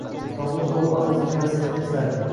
Toʻngʻich oʻgʻil otasining vasiyatini esladi.